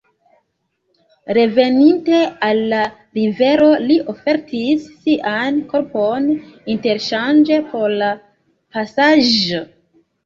Reveninte al la rivero li ofertis sian korpon interŝanĝe por la pasaĵo.